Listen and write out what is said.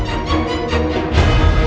aku mau pergi semuanya